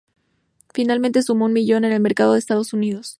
Finalmente sumó un millón en el mercado de Estados Unidos.